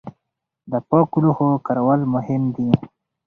د پاکو لوښو کارول مهم دي.